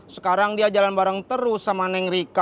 sekarang dia jalan bareng terus sama neng rika